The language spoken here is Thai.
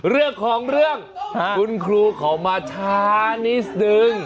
เรื่องของเรื่องคุณครูเขามาช้านิดนึง